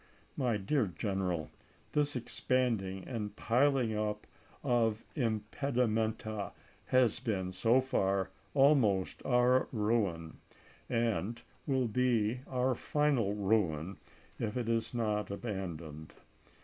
My dear general, this ex panding and piling up of impedimenta has been, so far, almost our ruin, and will be our final ruin if it is not abandoned.